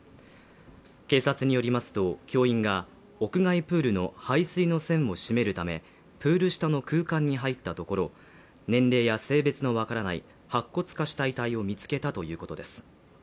警察によりますと、教員が屋外プールの排水の栓を閉めるため、プール下の空間に入ったところ、年齢や性別のわからない白骨化した遺体を見つけたということです。